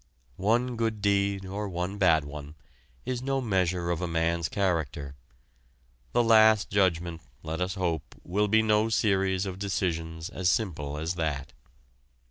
One good deed or one bad one is no measure of a man's character: the Last Judgment let us hope will be no series of decisions as simple as that.